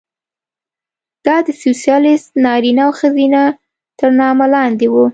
دا د سوسیالېست نارینه او ښځه تر نامه لاندې وه.